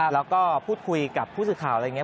แล้วก็พูดคุยกับผู้สื่อข่าวอะไรอย่างนี้